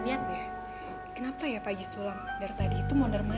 aku sengaja udah agak badai